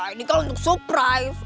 ini kan untuk surprise